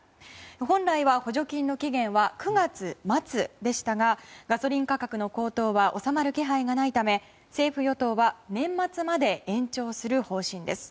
本来は補助金の期限は９月末でしたがガソリン価格の高騰は収まる気配がないため政府与党は年末まで延長する方針です。